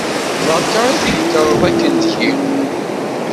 Berka i d-tḥekkreḍ akken deg-i.